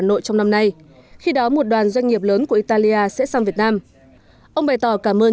giang hôm nay khi đó một đoàn doanh nghiệp lớn của italia sẽ sang việt nam ông bày tỏ cảm ơn